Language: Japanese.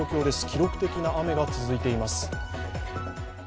記録的な雨が続いています。